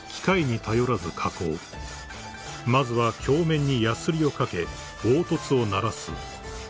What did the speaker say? ［まずは鏡面にやすりをかけ凹凸をならす］